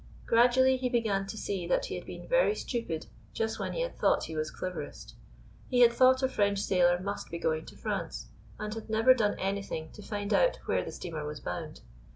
Gradually he began to see that he had been very stupid just when he had thought he was cleverest. He had thought a French sailor must be going to France, and had never done anything to find out where the steamer was bound.